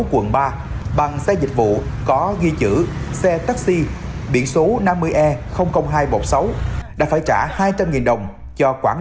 quận ba bằng xe dịch vụ có ghi chữ xe taxi biển số năm mươi e hai trăm một mươi sáu đã phải trả hai trăm linh đồng cho quảng